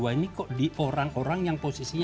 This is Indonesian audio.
wah ini kok di orang orang yang posisinya